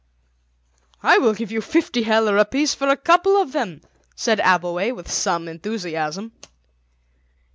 "I will give you fifty heller apiece for a couple of them," said Abbleway with some enthusiasm.